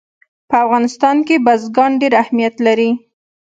په افغانستان کې بزګان ډېر اهمیت لري.